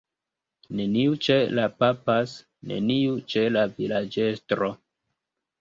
Neniu ĉe la _papas_, neniu ĉe la vilaĝestro.